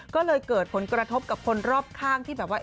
ก็เลยเกิดผลกระทบกับคนรอบข้างที่แบบว่า